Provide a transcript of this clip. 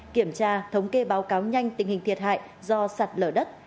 kiểm tra thống kê báo cáo nhanh tình hình thiệt hại do sạt lở đất